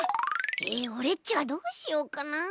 えオレっちはどうしよっかなあ？